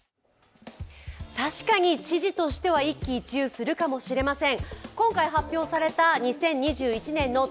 確かに知事としては一喜一憂するかもしれません。